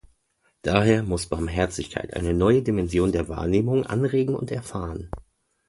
Daher muss Barmherzigkeit eine neue Dimension der Wahrnehmung anregen und erfahren.